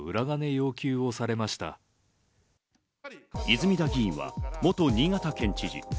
泉田議員は元新潟県知事。